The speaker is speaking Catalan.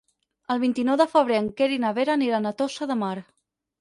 El vint-i-nou de febrer en Quer i na Vera aniran a Tossa de Mar.